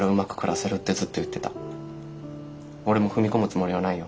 俺も踏み込むつもりはないよ。